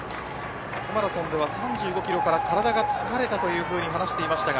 初マラソンでは３５キロから体が疲れたと話していました。